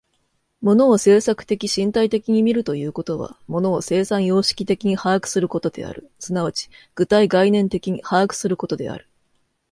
物を制作的身体的に見るということは、物を生産様式的に把握することである、即ち具体概念的に把握することである。